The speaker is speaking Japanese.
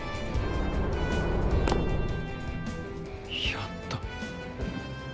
やった。